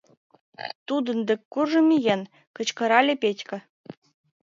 — тудын дек куржын миен, кычкырале Петька.